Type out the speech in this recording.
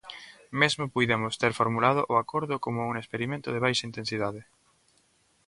Mesmo puidemos ter formulado o acordo como un experimento de baixa intensidade.